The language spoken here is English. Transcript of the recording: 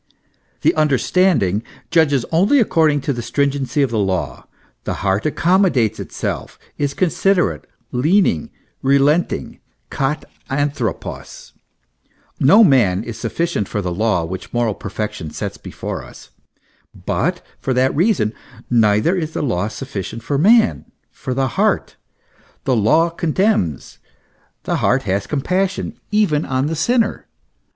The understanding judges only according to the stringency of law; the heart accommodates itself, is considerate, lenient, relenting, KCIT avOpuTrov. No man is sufficient for the law which moral perfection sets before us; but for that reason, neither is the law sufficient for man, for the heart. The law condemns ; the heart has compassion even on the sinner.